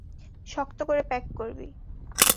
শক্ত করে প্যাক করবি।